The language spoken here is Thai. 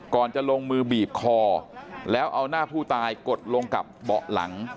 จะลงมือบีบคอแล้วเอาหน้าผู้ตายกดลงกับเบาะหลัง